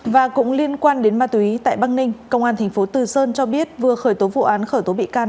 và cũng liên quan đến ma túy tại băng ninh công an thành phố từ sơn cho biết vừa khởi tố vụ án khởi tố bị can